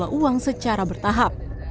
dan jumlah uang secara bertahap